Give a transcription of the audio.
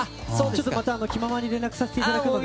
また気ままに連絡させていただくので。